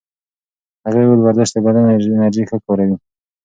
هغې وویل ورزش د بدن انرژي ښه کاروي.